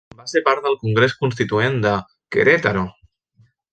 Va ser part del Congrés Constituent de Querétaro.